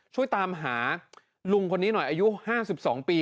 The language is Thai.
ช่วยตามหาลุงคนนี้หน่อยอายุ๕๒ปี